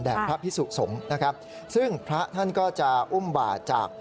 พระพิสุสงฆ์นะครับซึ่งพระท่านก็จะอุ้มบ่าจาก